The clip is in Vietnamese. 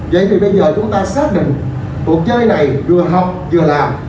vậy thì bây giờ chúng ta xác định cuộc chơi này vừa học vừa làm